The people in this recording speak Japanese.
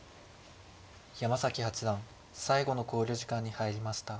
山崎八段最後の考慮時間に入りました。